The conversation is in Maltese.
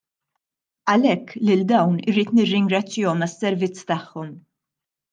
Għalhekk lil dawn irrid nirringrazzjahom għas-servizz tagħhom.